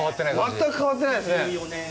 全く変わってないですね。